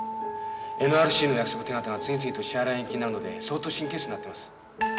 ＮＲＣの約束手形が次々と支払い延期になるので相当神経質になってます。